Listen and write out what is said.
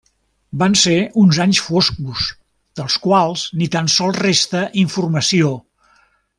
Van ser uns anys foscos, dels quals ni tan sols resta informació.